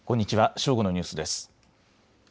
正午のニュースです。